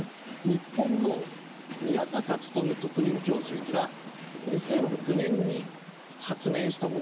日本の宮坂力特任教授が２００９年に発明したものなんですね。